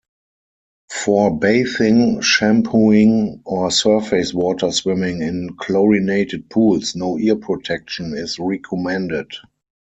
For bathing, shampooing, or surface-water swimming in chlorinated pools, no ear protection is recommended.